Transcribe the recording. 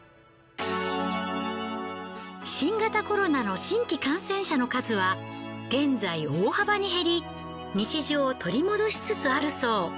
新型コロナの新規感染者の数は現在大幅に減り日常を取り戻しつつあるそう。